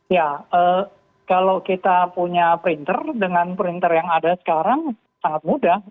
ya kalau kita punya printer dengan printer yang ada sekarang sangat mudah